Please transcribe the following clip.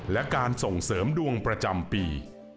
และการส่งเสริมดวงประจำปี